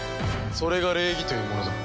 それが礼儀というものだ。